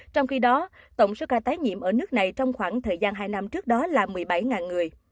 trong khi đó tổng số ca tái nhiễm ở nước này trong khoảng thời gian hai năm trước đó là một mươi bảy người